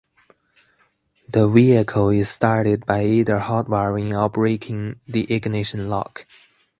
The vehicle is started by either hot-wiring or breaking the ignition lock.